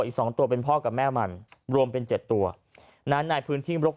อีก๒ตัวเป็นพ่อกับแม่มันรวมเป็น๗ตัวนั้นในพื้นที่รก